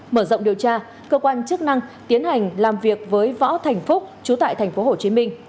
mở rộng điều tra cơ quan chức năng tiến hành làm việc với võ thành phúc chú tại tp hcm